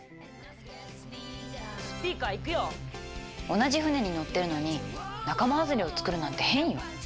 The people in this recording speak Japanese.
同じ船に乗ってるのに仲間外れを作るなんて変よ。